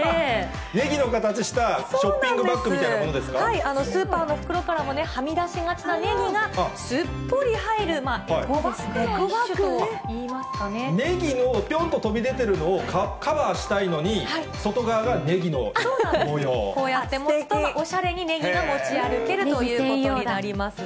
ねぎの形したショッピングバスーパーの袋からもはみ出しがちなねぎがすっぽり入るねぎの、ぴょんっと飛び出てるのをカバーしたいのに、こうやって持つと、おしゃれにねぎが持ち歩けるということになりますね。